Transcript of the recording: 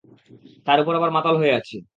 তার উপর আবার মাতাল হয়ে আছি।